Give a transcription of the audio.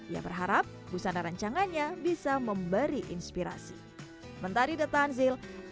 ia berharap pusana rencangannya bisa memberi inspirasi